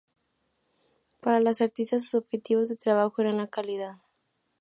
Para las artistas, sus objetivos de trabajo eran la calidad.